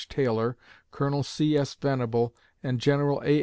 Taylor, Colonel C. S. Venable, and General A.